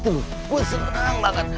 itu loh gue seneng banget